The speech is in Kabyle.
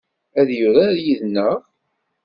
Ad yurar yid-neɣ?